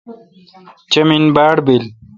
چمین باڑبیل۔